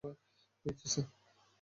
পেয়েছি, স্যার।